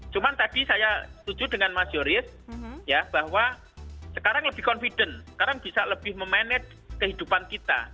cuma tadi saya setuju dengan mas yoris ya bahwa sekarang lebih confident sekarang bisa lebih memanage kehidupan kita